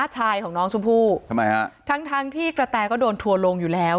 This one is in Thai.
ชายของน้องชมพูทั้งที่กระแตก็โดนทั่วลงอยู่แล้ว